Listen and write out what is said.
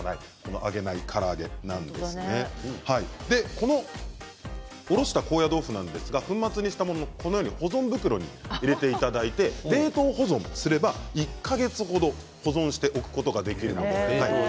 このおろした高野豆腐粉末したものは保存袋に入れていただいて冷凍保存すれば１か月程、保存しておくことができるそうです。